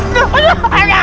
aduh aduh aduh